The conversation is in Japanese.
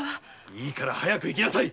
いいから早く行きなさい！